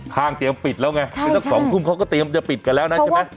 ทางเตรียมปิดแล้วไงคือสัก๒ทุ่มเขาก็เตรียมจะปิดกันแล้วนะใช่ไหม